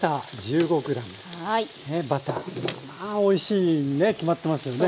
バターおいしいにね決まってますよね。